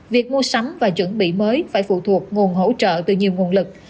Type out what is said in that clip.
việc mua sắm và chuẩn bị mới phải phụ thuộc nguồn hỗ trợ từ nhiều nguồn lực